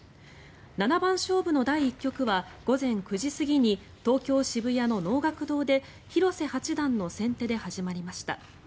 七番勝負の第１局は午前９時過ぎに東京・渋谷の能楽堂で広瀬八段の先手で始まりました。